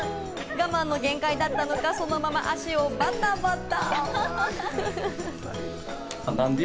我慢の限界だったのか、そのまま足をバタバタ。